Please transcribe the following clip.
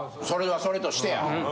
それはそれとしてや。